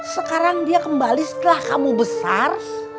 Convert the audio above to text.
sekarang dia kembali setelah kamu besar